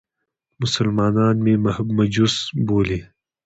مسلمانان مې مجوس بولي.